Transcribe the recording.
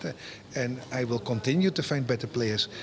dan saya akan terus mencari pemain yang lebih baik